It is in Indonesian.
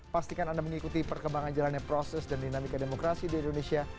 pastikan anda mengikuti perkembangan jalannya proses dan dinamika demokrasi di indonesia